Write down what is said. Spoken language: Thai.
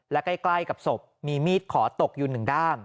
และใกล้กับศพมีมีดขอตกอยู่๑ด้าม